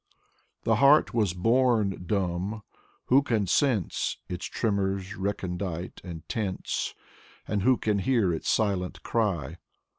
The heart was bom dumb; who can sense Its tremors, recondite and tense? And who can hear its silent cry?